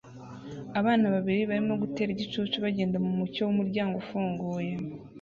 Abana babiri barimo gutera igicucu bagenda mumucyo wumuryango ufunguye